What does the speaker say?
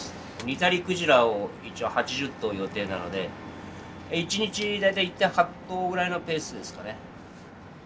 ニタリクジラを一応８０頭予定なので一日大体１．８頭ぐらいのペースですかね。